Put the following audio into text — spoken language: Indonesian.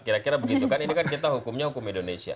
kira kira begitu kan ini kan kita hukumnya hukum indonesia